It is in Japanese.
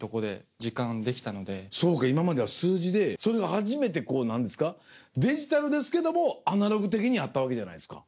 そうか今までは数字でそれが初めてこう何ですかデジタルですけどもアナログ的に会ったわけじゃないですか。